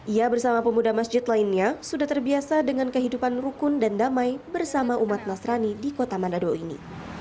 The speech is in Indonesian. ia bersama pemuda masjid lainnya sudah terbiasa dengan kehidupan rukun dan damai bersama umat nasrani di kota manado ini